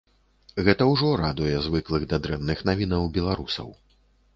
Гэта ўжо радуе звыклых да дрэнных навінаў беларусаў.